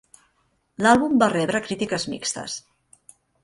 L'àlbum va rebre crítiques mixtes.